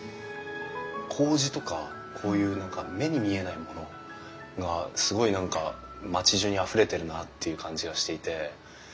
こうじとかこういう何か目に見えないものがすごい何か町じゅうにあふれてるなっていう感じがしていて。